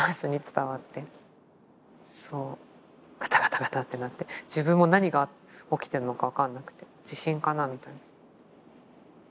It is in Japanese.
そうガタガタガタッてなって自分も何が起きてるのか分かんなくて地震かなみたいな。